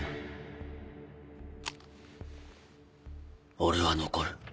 俺は残る。